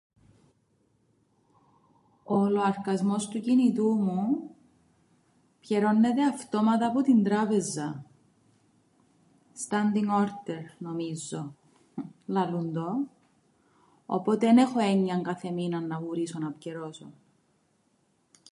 Ο λοαρκασμός του κινητού μου πιερώννεται αυτόματα που την τράπεζαν, standing order νομίζω λαλούν το. Οπότε, εν έχω έννοιαν κάθε μήναν να βουρήσω να πιερώσω.